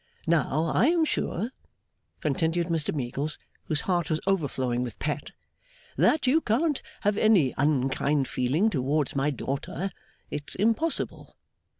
Now, I am sure,' continued Mr Meagles, whose heart was overflowing with Pet, 'that you can't have any unkind feeling towards my daughter; it's impossible.